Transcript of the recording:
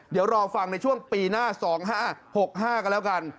เดี๋ยวรอฟังในช่วงปีหน้า๒๕๖๕กันแล้วกัน